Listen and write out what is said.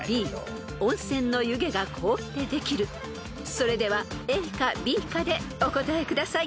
［それではＡかＢかでお答えください］